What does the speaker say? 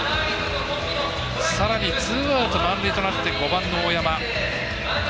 さらに、ツーアウト満塁となって５番、大山。